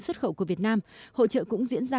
xuất khẩu của việt nam hội trợ cũng diễn ra